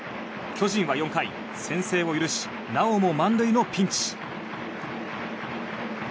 巨人は４回、先制を許しなおも満塁のピンチ。